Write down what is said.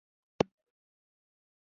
د مځکې چاپېریال باید خوندي وساتو.